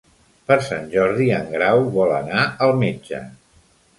Per Sant Jordi en Grau vol anar al metge.